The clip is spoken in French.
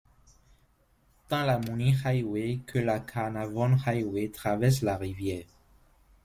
Tant la Moonie Highway que la Carnarvon Highway traversent la rivière.